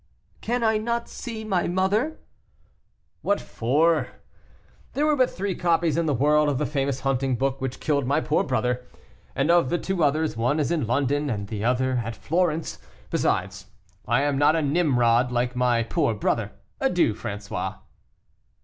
"Can I not see my mother?" "What for? There were but three copies in the world of the famous hunting book which killed my poor brother, and of the two others, one is in London and the other at Florence. Besides, I am not a Nimrod, like my poor brother; adieu, François."